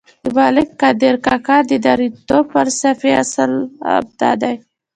د ملک قادر کاکا د نارینتوب فلسفې اصل هم دادی.